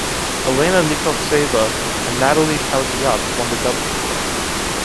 Elena Likhovtseva and Nathalie Tauziat won the doubling tournament.